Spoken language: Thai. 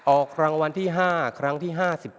ออกรางวัลที่๕ครั้งที่๕๗